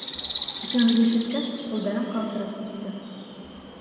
— Исемемде ишеткәс, ҡулдарым ҡалтырап китте.